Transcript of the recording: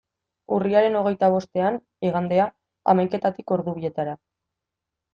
Urriaren hogeita bostean, igandea, hamaiketatik ordu bietara.